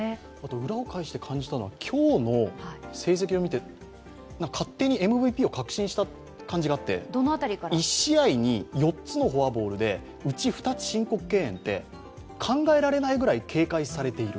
裏を返して感じたのは、今日の成績を見て勝手にＭＶＰを確信した感じがあって１試合に４つのフォアボールでうち２申告敬遠って、考えられないくらい警戒されている。